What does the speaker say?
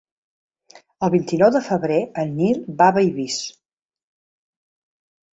El vint-i-nou de febrer en Nil va a Bellvís.